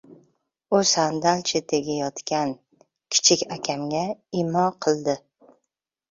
— U sandal chetida yotgan kichik akamga imo qildi.